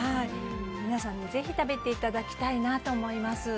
皆さんにぜひ食べていただきたいなと思います。